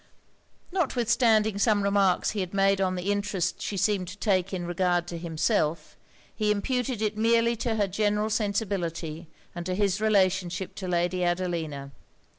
Notwithstanding some remarks he had made on the interest she seemed to take in regard to himself, he imputed it merely to her general sensibility and to his relationship to Lady Adelina.